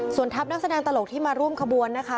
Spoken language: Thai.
ส่วนทัพนักแสดงตลกที่มาร่วมขบวนนะคะ